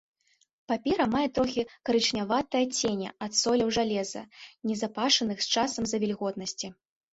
Папера мае трохі карычняватае адценне ад соляў жалеза, назапашаных з часам з-за вільготнасці.